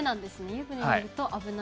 湯船にいると危ない。